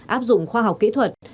áp dụng khoa học kỹ thuật